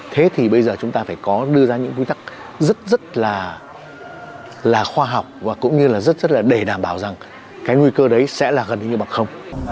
thế thì bây giờ chúng ta phải có đưa ra những quy tắc rất rất là khoa học và cũng như là rất rất là để đảm bảo rằng cái nguy cơ đấy sẽ là gần như bằng không